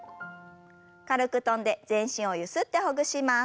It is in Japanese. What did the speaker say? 軽く跳んで全身をゆすってほぐします。